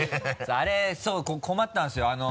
あれそう困ったんですよ。